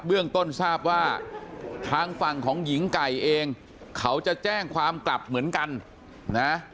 เรื่องต้นทราบว่าทางฝั่งของหญิงไก่เองเขาจะแจ้งความกลับเหมือนกันนะ